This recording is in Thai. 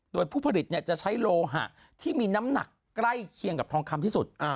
โดยผู้ผลิตจะใช้โลหะที่มีน้ำหนักใกล้เคียงกับทองคำที่สุด